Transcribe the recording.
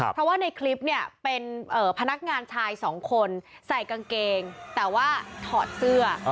เพราะว่าในคลิปเนี่ยเป็นพนักงานชายสองคนใส่กางเกงแต่ว่าถอดเสื้อ